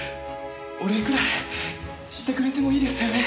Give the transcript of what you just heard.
お礼くらいしてくれてもいいですよね？